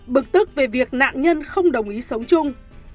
bực tức về việc nạn nhân không đồng ý sống chung